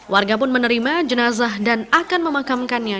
warga pun menerima jenazah dan akan memakamkannya